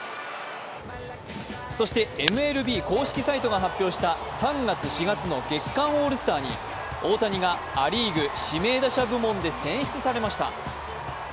そしてＭＬＢ公式サイトが発表した３月、４月の月間オールスターに大谷がア・リーグ指名打者部門で選出されました。